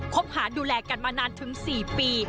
คบหาดูแลกันมานานถึง๔ปี